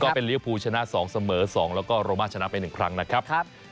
เป็นลิวภูชนะ๒เสมอ๒แล้วก็โรมาชนะไป๑ครั้งนะครับ